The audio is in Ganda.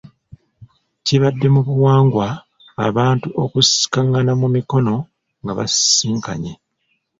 Kibadde mu buwangwa abantu okusikangana mu mikono nga basisinkanye.